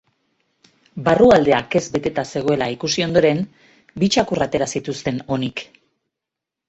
Barrualdea kez beteta zegoela ikusi ondoren, bi txakur atera zituzten onik.